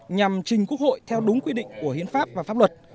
nhằm trình quốc hội theo đúng quy định của hiến pháp và pháp luật